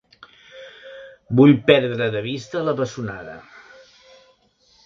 Vull perdre de vista la bessonada!